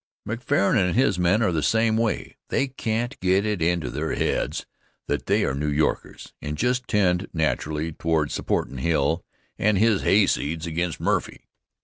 McCarren and his men are the same way. They can't get it into their heads that they are New Yorkers, and just tend naturally toward supportin' Hill and his hay seeds against Murphy.